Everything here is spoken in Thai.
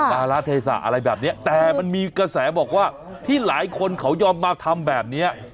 การาเทศะอะไรแบบนี้แต่มันมีกระแสบอกว่าที่หลายคนเขายอมมาทำแบบนี้